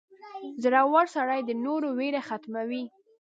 • زړور سړی د نورو ویره ختموي.